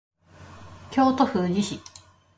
京都府宇治市